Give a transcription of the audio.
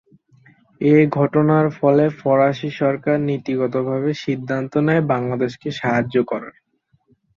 এ ঘটনার ফলে ফরাসি সরকার নীতিগতভাবে সিদ্ধান্ত নেয় বাংলাদেশকে সাহায্য করবার।